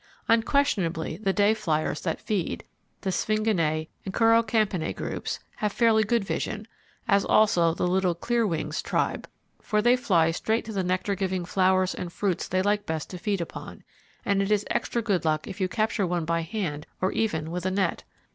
Unquestionably the day fliers that feed the Sphinginae and Choerocampinae groups have fairly good vision, as also the little "Clear wings" tribe, for they fly straight to the nectar giving flowers and fruits they like best to feed upon, and it is extra good luck if you capture one by hand or even with a net.